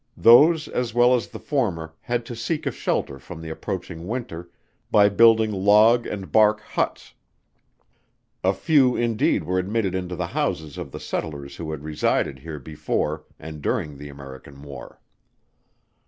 Those as well as the former had to seek a shelter from the approaching winter, by building log and bark huts; a few indeed were admitted into the houses of the settlers who had resided here before and during the American war.